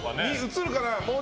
映るかな。